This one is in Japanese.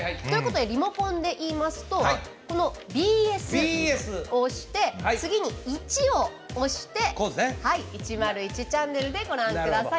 リモコンでいいますと「ＢＳ」を押して、次に「１」を押して１０１チャンネルでご覧ください。